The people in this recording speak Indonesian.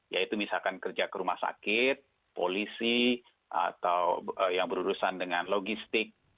yaitu misalkan kerja ke rumah sakit polisi atau yang berurusan dengan logistik